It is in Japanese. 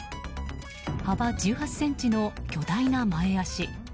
幅１８ｃｍの巨大な前脚。